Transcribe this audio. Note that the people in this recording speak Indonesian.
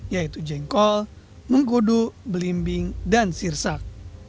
yaitu jengkol mengkudu belimbing dan sirsak